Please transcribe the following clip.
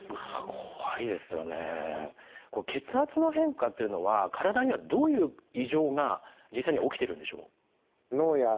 これ血圧の変化っていうのは体にはどういう異常が実際には起きてるんでしょう？